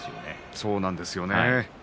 そうなんですよね。